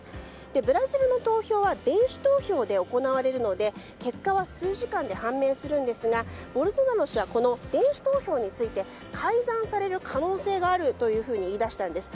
ブラジルの投票は電子投票で行われるので結果は数時間で判明するんですがボルソナロ氏は電子投票について改ざんされる可能性があるというふうに言い出したんです。